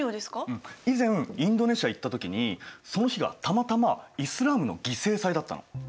うん以前インドネシア行った時にその日がたまたまイスラームの犠牲祭だったの。